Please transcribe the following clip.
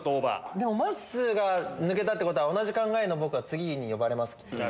まっすー抜けたってことは同じ考えの僕は次に呼ばれます。